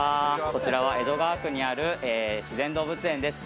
こちらは江戸川区にある自然動物園です